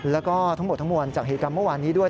แล้วก็ทั้งหมดทั้งมวลจากเหตุการณ์เมื่อวานนี้ด้วย